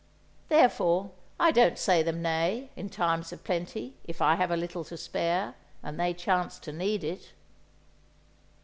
Therefore, I don't say them nay, in times of plenty, if I have a little to spare, and they chance to need it.